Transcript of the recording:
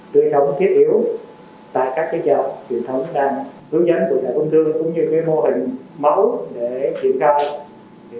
tươi sống thiết yếu tại các cái chợ truyền thống đang hướng dẫn của đại công thương cũng như cái mô hình mẫu để triển khai